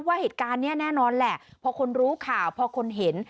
ว่าเหตุการณ์นี้แน่นอนแหละพอคนรู้ข่าวพอคนเห็น